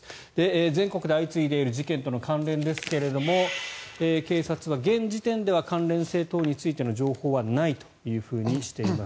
全国で相次いでいる事件との関連ですが警察は現時点では関連性等についての情報はないとしています。